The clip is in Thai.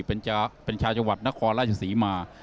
วันนี้มาเป้นชาชนซภนครราชสีมา